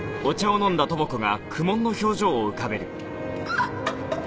あっ！